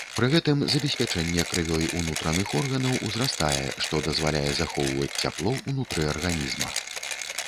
Пры гэтым забеспячэнне крывёй унутраных органаў узрастае, што дазваляе захоўваць цяпло ўнутры арганізма.